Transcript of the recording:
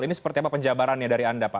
ini seperti apa penjabarannya dari anda pak